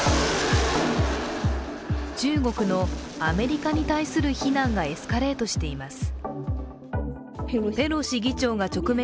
中国のアメリカに対する非難がエスカレートしています。